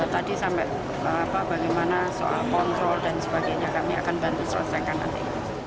tadi sampai bagaimana soal kontrol dan sebagainya kami akan bantu selesaikan nanti